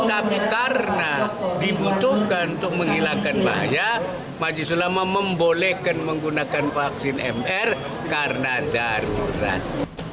tapi karena dibutuhkan untuk menghilangkan bahaya majlis ulama membolehkan menggunakan vaksin mr karena darurat